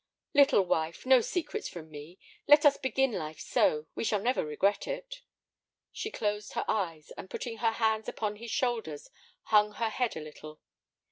"Little wife, no secrets from me. Let us begin life so; we shall never regret it." She closed her eyes, and, putting her hands upon his shoulders, hung her head a little.